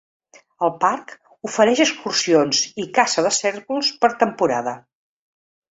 El parc ofereix excursions i caça de cérvols per temporada.